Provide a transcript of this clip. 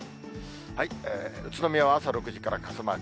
宇都宮は朝６時から傘マーク。